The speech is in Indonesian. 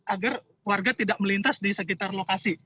agar warga tidak melintas di sekitar lokasi